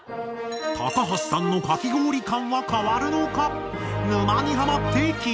高橋さんのかき氷観は変わるのか？